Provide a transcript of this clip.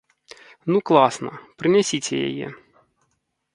Ну класна, прынясіце яе.